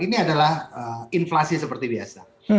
ini adalah inflasi seperti biasa